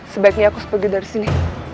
sebaiknya aku pergi dari sini